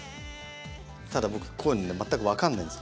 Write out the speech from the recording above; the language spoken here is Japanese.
ただ僕こういうのね全く分かんないんです。